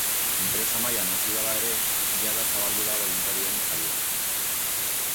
Enpresa mailan hasi bada ere, jada zabaldu da boluntarioen jarioa.